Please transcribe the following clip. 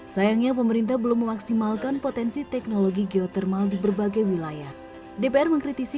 sayangnya pemerintah belum memaksimalkan potensi teknologi geotermal di berbagai wilayah dpr mengkritisi